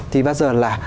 thì bây giờ là